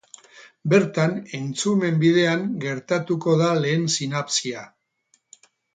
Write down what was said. Bertan, entzumen bidean gertatuko da lehen sinapsia.